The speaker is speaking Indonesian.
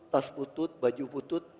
tas butut baju butut